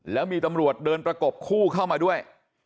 แล้วมีตำรวจเดินประกบคู่เข้ามาด้วย